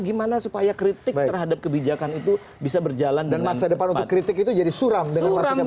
gimana supaya kritik terhadap kebijakan itu bisa berjalan dan masa depan untuk kritik itu jadi suram dengan warga